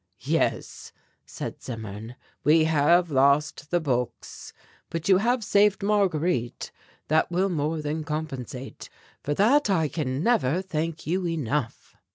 "Yes," said Zimmern, "we have lost the books, but you have saved Marguerite. That will more than compensate. For that I can never thank you enough."